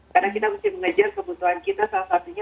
karena kita harus mengejar kebutuhan kita salah satunya